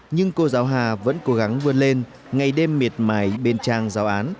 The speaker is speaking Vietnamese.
nhưng cô giáo hà vẫn cố gắng vươn lên ngày đêm miệt mài bên trang giáo án